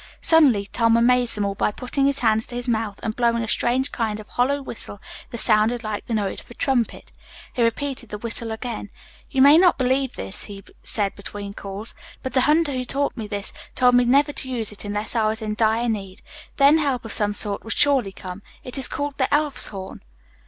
Suddenly Tom amazed them all by putting his hands to his mouth and blowing a strange kind of hollow whistle that sounded like the note of a trumpet. He repeated the whistle again and again. "You may not believe it," he said between calls, "but the hunter who taught me this, told me never to use it unless I was in dire need. Then help of some sort would surely come. It is called the Elf's Horn."